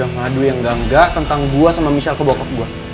karena dia udah ngadu yang gangga tentang gue sama misha kebokok gue